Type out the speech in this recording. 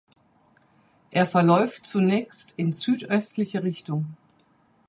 Er verläuft zunächst in südöstliche Richtung.